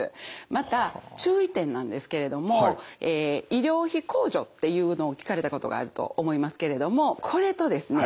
また注意点なんですけれどもえ医療費控除っていうのを聞かれたことがあると思いますけれどもこれとですね